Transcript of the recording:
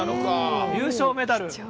優勝メダル。